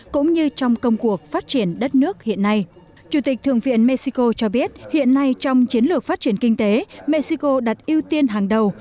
chủ tịch thượng viện mexico cho biết hiện nay trong chiến lược phát triển kinh tế mexico đặt ưu tiên hàng đầu